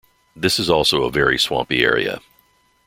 This is also a very swampy area.